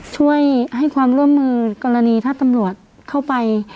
ให้ความร่วมมือกรณีถ้าตำรวจเข้าไป